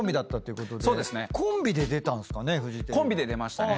コンビで出ましたね。